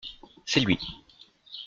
C’est lui.